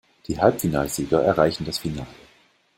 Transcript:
Die Halbfinalsieger erreichen das Finale.